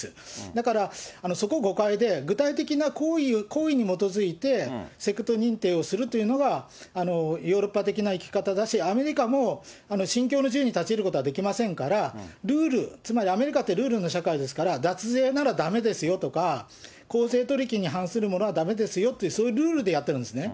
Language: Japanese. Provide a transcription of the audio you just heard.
だから、そこは誤解で、具体的な行為に基づいて、セクト認定をするというのが、ヨーロッパ的な生き方だし、アメリカも信教の自由に立ち入ることはできませんから、ルール、つまりアメリカってルールの社会ですから、脱税ならだめですよとか、公正取引に反するものはだめですよという、そういうルールでやってるんですね。